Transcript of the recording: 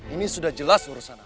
ini sudah jelas urusan aku